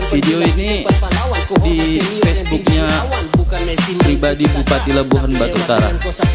video ini di facebooknya pribadi bupati lebuhan batu utara